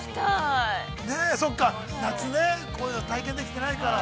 ◆そっか、夏ね、こういうの体験できてないから。